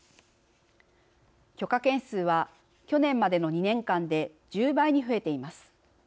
許可件数は去年までの２年間で１０倍に増えています。